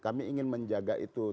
kami ingin menjaga itu